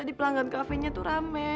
tadi pelanggan cafe nya tuh rame